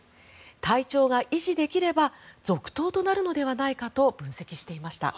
体調が維持できれば続投となるのではないかと分析していました。